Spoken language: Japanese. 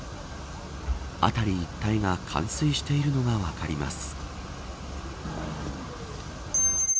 辺り一帯が冠水しているのが分かります。